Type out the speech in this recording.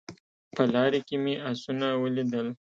په لاره کې مې اسونه ولیدل